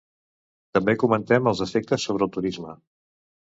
També comentem els efectes sobre el turisme.